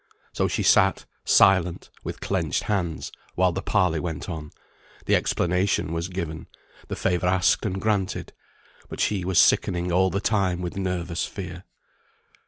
So she sat silent with clenched hands while the parley went on, the explanation was given, the favour asked and granted. But she was sickening all the time with nervous fear.